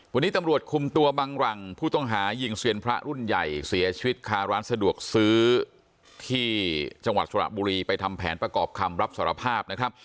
วันนี้ตำรวจคุมตัวบังหลังผู้ต้องหายิงเซียนพระรุ่นใหญ่เสียชีวิตคาร้านสะดวกซื้อที่จังหวัดสระบุรีไปทำแผนประกอบคำรับสารภาพนะครับ